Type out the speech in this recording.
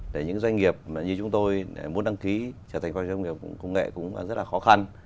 để những doanh nghiệp như chúng tôi muốn đăng ký trở thành doanh nghiệp khoa học và công nghệ cũng rất là khó khăn